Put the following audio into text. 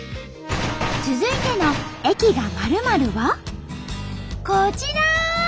続いての「駅が○○」はこちら！